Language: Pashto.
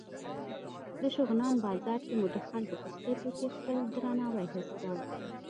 د شغنان بازار کې مو د خلکو په سترګو کې خپل درناوی حس کړ.